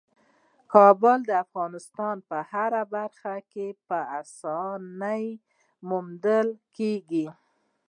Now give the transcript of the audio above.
کابل د افغانستان په هره برخه کې په اسانۍ موندل کېږي.